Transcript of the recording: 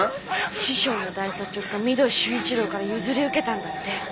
⁉師匠の大作曲家御堂周一郎から譲り受けたんだって。